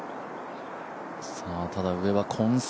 ただ上は混戦。